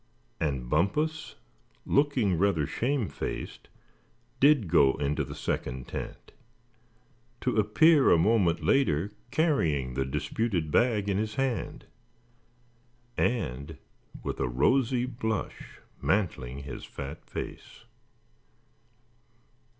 And Bumpus, looking rather shame faced, did go into the second tent; to appear a moment later carrying the disputed bag in his hand, and with a rosy blush mantling his fat face.